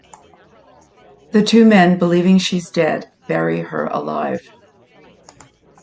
The two men, believing she's dead, bury her alive.